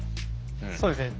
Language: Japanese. そうですね。